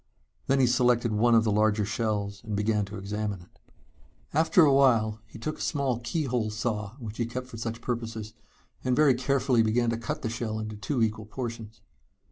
Then he selected one of the larger shells and began to examine it. After a while he took a small keyhole saw which he kept for such purposes, and very carefully began to cut the shell into two equal portions.